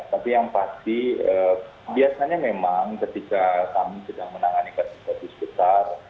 tapi yang pasti biasanya memang ketika kami sedang menangani kasus kasus besar